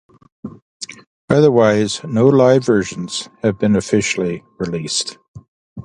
Otherwise, no live versions have been officially released.